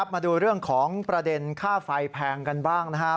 มาดูเรื่องของประเด็นค่าไฟแพงกันบ้างนะครับ